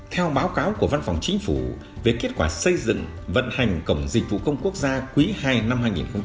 theo báo cáo của văn phòng chính phủ về kết quả xây dựng vận hành cổng dịch vụ không quốc gia quý ii năm hai nghìn hai mươi